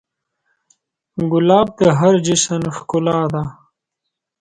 ګلاب د هر جشن ښکلا ده.